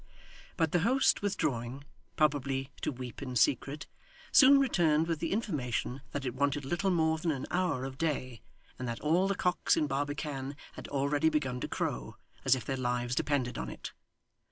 But the host withdrawing probably to weep in secret soon returned with the information that it wanted little more than an hour of day, and that all the cocks in Barbican had already begun to crow, as if their lives depended on it.